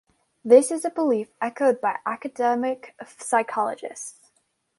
This is a belief echoed by academic psychologists.